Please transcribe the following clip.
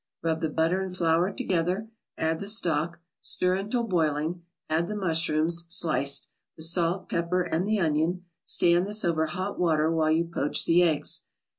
Rub the butter and flour together, add the stock, stir until boiling, add the mushrooms, sliced, the salt, pepper and the onion; stand this over hot water while you poach the eggs.